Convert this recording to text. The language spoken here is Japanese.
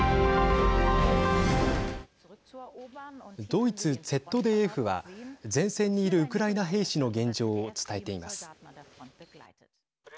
ドイツＺＤＦは前線にいるウクライナ兵士の現状を伝えています。